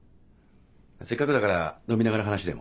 せっかくだから飲みながら話でも。